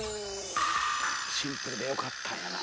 シンプルでよかったんやなあ。